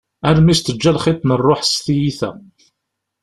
Armi s-teǧǧa lxiḍ n rruḥ s tiyita.